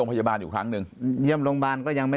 ปากกับภาคภูมิ